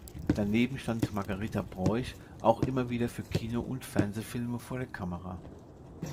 Daneben stand Margarita Broich auch immer wieder für Kino- und Fernsehfilme vor der Kamera.